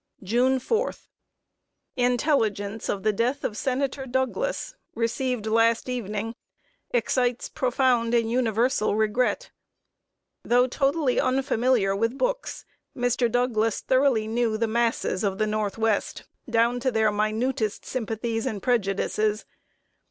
[Sidenote: THE DEATH OF DOUGLAS.] June 4. Intelligence of the death of Senator Douglas, received last evening, excites profound and universal regret. Though totally unfamiliar with books, Mr. Douglas thoroughly knew the masses of the Northwest, down to their minutest sympathies and prejudices.